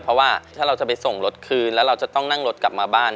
เพราะว่าถ้าเราจะไปส่งรถคืนแล้วเราจะต้องนั่งรถกลับมาบ้าน